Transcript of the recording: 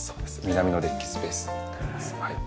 南のデッキスペースになります。